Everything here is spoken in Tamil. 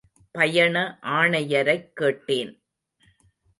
பயண ஆணையரைக் கேட்டேன்.